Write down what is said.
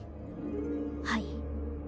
はい。